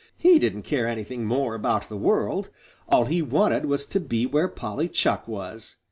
He didn't care anything more about the world. All he wanted was to be where Polly Chuck was.